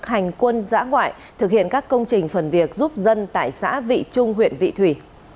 hành quân giã ngoại thực hiện các công trình phần việc giúp dân tại xã vị trung huyện vị thủy